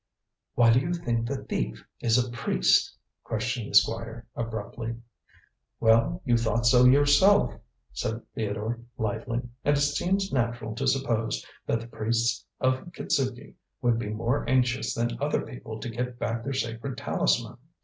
"Why do you think the thief is a priest?" questioned the Squire abruptly. "Well, you thought so yourself," said Theodore lightly. "And it seems natural to suppose that the priests of Kitzuki would be more anxious than other people to get back their sacred talisman."